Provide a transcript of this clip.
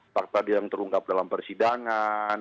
fakta yang terungkap dalam persidangan